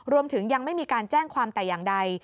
รวมถึงยังไม่มีการแจ้งความแต่อย่างใด